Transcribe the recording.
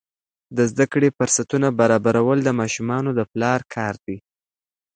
د زده کړې فرصتونه برابرول د ماشومانو د پلار کار دی.